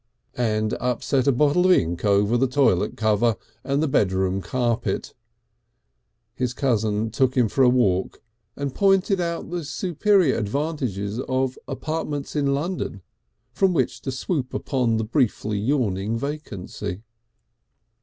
_ and upset a bottle of ink over a toilet cover and the bedroom carpet, his cousin took him for a walk and pointed out the superior advantages of apartments in London from which to swoop upon the briefly yawning vacancy.